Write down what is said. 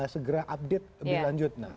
segera update berlanjut